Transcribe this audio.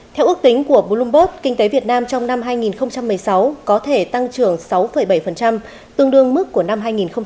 theo ước tính của bloomberg kinh tế việt nam trong năm hai nghìn một mươi sáu có thể tăng trưởng sáu bảy tương đương mức của năm hai nghìn một mươi bảy